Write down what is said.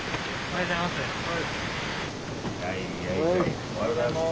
おはようございます。